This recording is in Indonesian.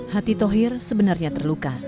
hati tohir sebenarnya terluka